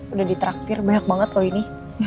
udah ditraktir banyak banget loh ini